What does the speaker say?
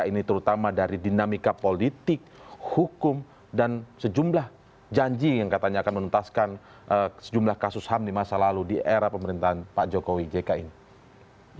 ini terutama dari dinamika politik hukum dan sejumlah janji yang katanya akan menuntaskan sejumlah kasus ham di masa lalu di era pemerintahan pak jokowi jk ini